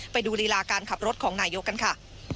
ไปดูรีลาการขับรถของนายกกันค่ะ